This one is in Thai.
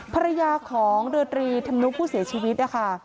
ภรรยาของเรือตรีธรรมนุผู้เสียชีวิตนะคะ